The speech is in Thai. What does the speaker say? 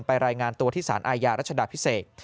รายงานตัวที่สารอาญารัชดาพิเศษ